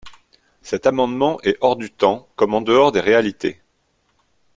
Cet amendement est hors du temps comme en dehors des réalités.